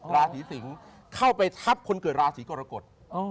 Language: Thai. ราศีสิงศ์เข้าไปทับคนเกิดราศีกรกฎ